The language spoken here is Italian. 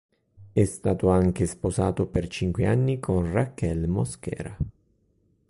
È stato anche sposato per cinque anni con Raquel Mosquera.